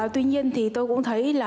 tuy nhiên tôi cũng thấy